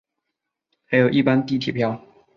还有一般地铁票